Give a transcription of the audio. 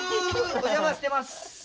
お邪魔してます。